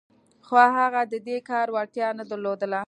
خو هغه د دې کار وړتيا نه درلوده.